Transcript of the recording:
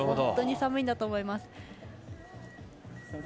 本当に寒いんだと思います。